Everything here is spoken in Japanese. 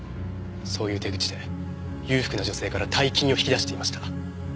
そういう手口で裕福な女性から大金を引き出していました。